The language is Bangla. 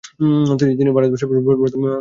তিনি ভারতবর্ষের প্রথম মহিলা বিধায়ক ছিলেন।